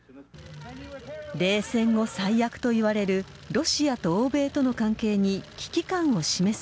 冷戦後最悪といわれるロシアと欧米との関係に危機感を示す